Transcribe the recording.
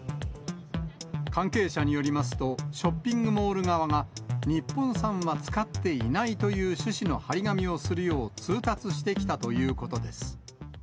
関係者によりますと、ショッピングモール側が、日本産は使っていないという趣旨の貼り紙をするよう通達してきたということです。